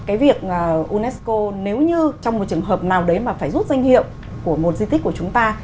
cái việc unesco nếu như trong một trường hợp nào đấy mà phải rút danh hiệu của một di tích của chúng ta